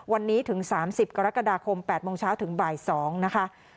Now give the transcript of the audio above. วันนี้ถึง๓๐กรกฎาคม๘โมงเช้าถึงบ่าย๒นะคะ